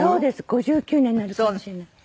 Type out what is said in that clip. ５９年になるかもしれない。